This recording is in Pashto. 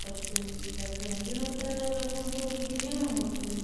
زده کړه نجونو ته د لرغونپوهنې علم ورکوي.